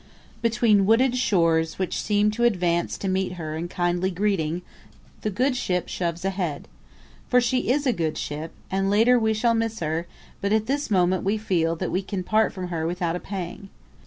Between wooded shores which seem to advance to meet her in kindly greeting, the good ship shoves ahead. For she is a good ship, and later we shall miss her, but at this moment we feel that we can part from her without a pang.